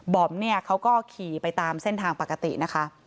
อมเนี่ยเขาก็ขี่ไปตามเส้นทางปกตินะคะ